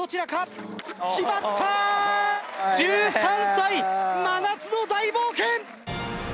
１３歳真夏の大冒険！